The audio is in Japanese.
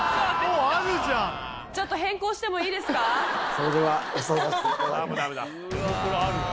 それでは押させていただきます。